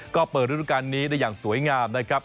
ก็เปิดฤดูการนี้ได้อย่างสวยงามนะครับ